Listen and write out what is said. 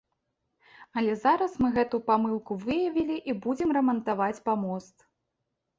Але зараз мы гэту памылку выявілі і будзем рамантаваць памост.